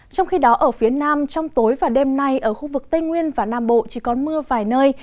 trong khi đó ở phía nam trong tối và đêm nay ở khu vực tây nguyên và nam bộ chỉ có mưa vài nơi